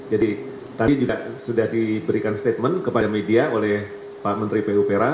jadi tadi juga sudah diberikan statement kepada media oleh pak menteri pu pera